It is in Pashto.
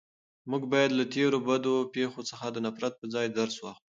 موږ باید له تېرو بدو پېښو څخه د نفرت په ځای درس واخلو.